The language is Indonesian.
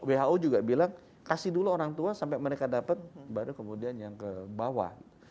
who juga bilang kasih dulu orang tua sampai mereka dapat baru kemudian yang ke bawah